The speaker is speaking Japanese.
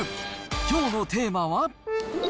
きょうのテーマは。